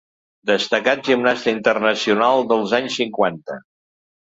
Destacat gimnasta internacional dels anys cinquanta.